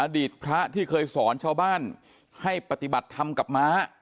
อดีตพระที่เคยสอนชาวบ้านให้ปฏิบัติธรรมกับม้า